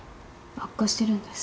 悪化してるんです。